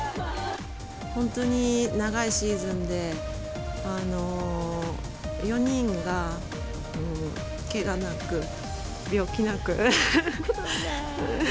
本当に長いシーズンで、４人がけがなく、病気なくで。